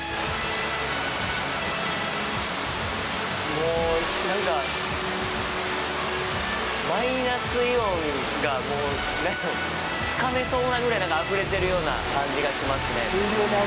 もうマイナスイオンがつかめそうなぐらいあふれてるような感じがしますね。